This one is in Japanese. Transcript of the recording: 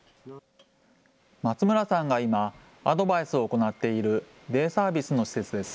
松村さんが今、アドバイスを行っているデイサービスの施設です。